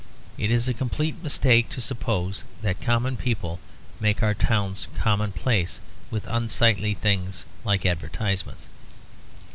It is a complete mistake to suppose that common people make our towns commonplace, with unsightly things like advertisements.